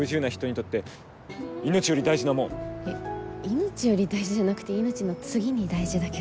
「命より大事」じゃなくて「命の次に大事」だけど。